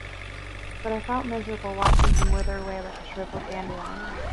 But I felt miserable watching him wither away like a shriveled dandelion.